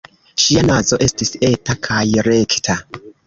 Ŝia nazo estis eta kaj rekta.